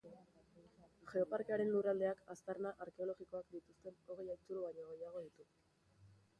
Geoparkearen lurraldeak aztarna arkeologikoak dituzten hogei haitzulo baino gehiago ditu.